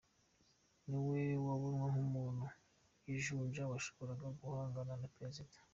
Niwe yabonwa nk'umuntu w'ijunja yashobora guhangana na Prezida.